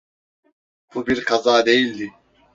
Bu bir kaza değildi.